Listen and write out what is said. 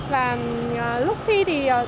và lúc thi thì